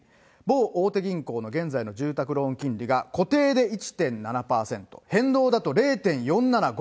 某大手銀行の現在の住宅ローン金利が、固定で１．７％、変動だと、０．４７５。